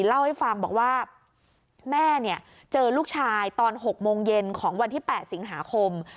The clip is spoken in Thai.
เล่าให้ฟังบอกว่าแม่เจอลูกชายตอน๖โมงเย็นของวันที่๘สิงหาคม